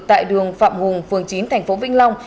tại đường phạm hùng phường chín thành phố vĩnh long